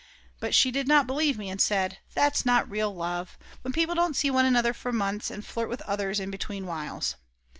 But she did not believe me, and said: That is not real love, when people don't see one another for months and flirt with others between whiles.